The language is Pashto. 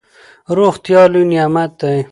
روغتیا لوی نعمت دئ.